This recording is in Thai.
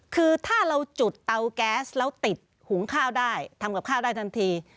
คือถ้าเราจุดเตาแก๊สแล้วติดหุงข้าวได้ทำกับข้าวได้ทันที